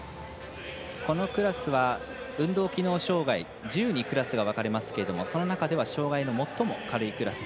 このクラスは運動機能障がい１０にクラスが分かれますがその中では障害の最も軽いクラス。